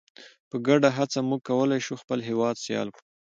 په ګډه هڅه موږ کولی شو خپل هیواد سیال کړو.